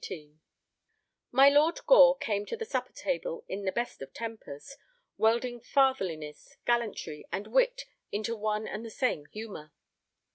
XVIII My Lord Gore came to the supper table in the best of tempers, welding fatherliness, gallantry, and wit into one and the same humor.